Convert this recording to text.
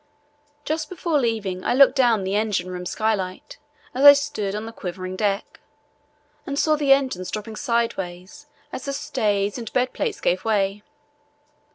Just before leaving, I looked down the engine room skylight as I stood on the quivering deck, and saw the engines dropping sideways as the stays and bed plates gave way.